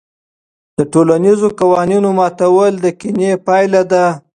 د ټولنیزو قوانینو ماتول د کینې پایله ده.